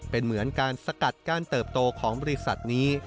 เป็นเหมือนการสกัดการเติบโตของบริษัทนี้